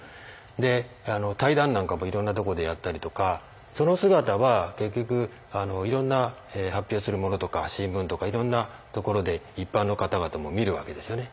で対談なんかもいろんなとこでやったりとかその姿は結局いろんな発表するものとか新聞とかいろんなところで一般の方々も見るわけですよね。